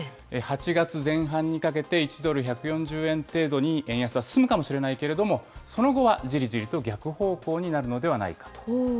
８月前半にかけて１ドル１４０円程度に円安は進むかもしれないけれども、その後はじりじりと逆方向になるのではないかと。